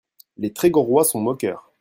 Les Trégorois sont moqueurs.